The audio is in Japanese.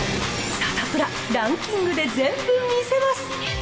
サタプラ、ランキングで全部見せます。